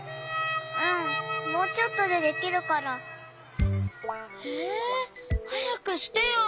うんもうちょっとでできるから。えはやくしてよ！